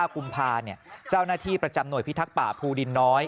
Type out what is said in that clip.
กุมภาเจ้าหน้าที่ประจำหน่วยพิทักษ์ป่าภูดินน้อย